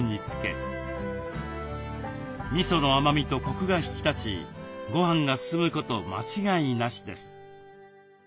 みその甘みとコクが引き立ちごはんが進むこと間違いなしです。